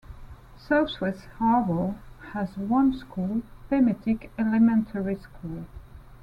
Southwest Harbor has one school, Pemetic Elementary School.